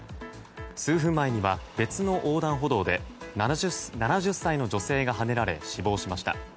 数分前には別の横断歩道で７０歳の女性がはねられ死亡しました。